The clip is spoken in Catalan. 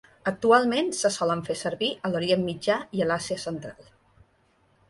Actualment se solen fer servir a l'Orient Mitjà i a l'Àsia Central.